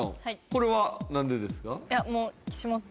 これは何でですか？